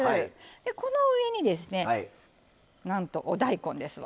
この上に、なんとお大根ですわ。